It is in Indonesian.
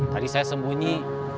tadi saya sembunyi